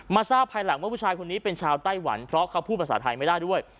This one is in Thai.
ทราบภายหลังว่าผู้ชายคนนี้เป็นชาวไต้หวันเพราะเขาพูดภาษาไทยไม่ได้ด้วย